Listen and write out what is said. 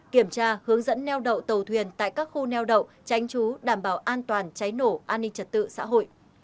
kiểm tra hướng dẫn neo đậu tàu thuyền tại các khu neo đậu tránh trú đảm bảo an toàn cháy nổ an ninh trật tự xã hội